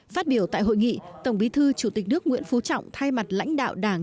phát biểu tại hội nghị tổng bí thư chủ tịch nước nguyễn phú trọng thay mặt lãnh đạo đảng